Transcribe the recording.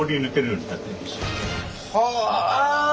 はあ。